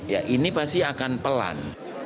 ya ini pasti akan pelan